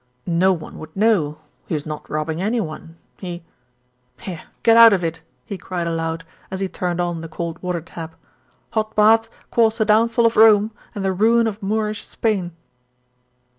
No one would know, he was not robbing any one. He "Here, get out of it!" he cried aloud, as he turned on the cold water tap. "Hot baths caused the down fall of Rome and the ruin of Moorish Spain."